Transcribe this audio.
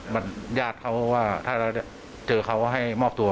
มันญาติเขาว่าถ้าเราเจอเขาก็ให้มอบตัว